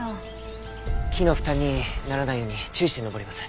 木の負担にならないように注意して登ります。